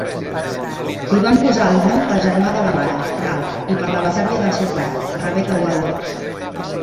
Li van posar el nom pel germà de la mare, Ralph, i per la besàvia del seu pare, Rebecca Waldo.